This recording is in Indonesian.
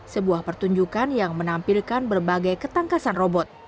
sebuah pertunjukan yang menampilkan berbagai ketangkasan robot